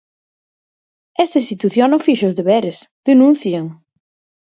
Esta institución non fixo os deberes, denuncian.